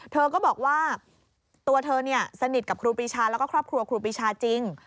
เธอก็บอกว่าตัวเธอสนิทกับครูปีชาแล้วก็ครอบครัวครูปีชาจริง